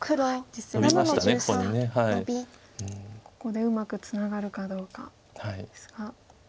ここでうまくツナがるかどうかですが。